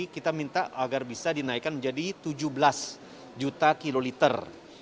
kita minta agar bisa dinaikkan menjadi tujuh belas juta kiloliter